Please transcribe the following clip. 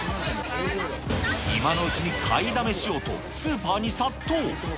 今のうちに買いだめしようと、スーパーに殺到。